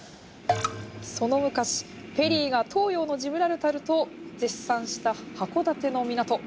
その昔ペリーが「東洋のジブラルタル」と絶賛した函館の港。